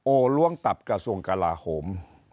โอ้ล้วงตับกระทรวงกราฮม